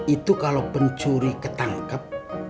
itu kalau pencuri ketangkep